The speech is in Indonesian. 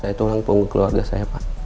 saya tolong pengu keluarga saya pak